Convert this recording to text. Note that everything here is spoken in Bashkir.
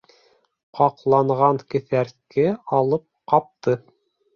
Ҡаҡланған кеҫәртке алып ҡапты.